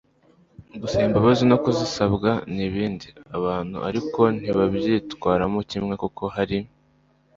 gusaba imbabazi no kuzisabwa n'ibindi.abantu ariko ntibabyitwaramo kimwe, kuko hari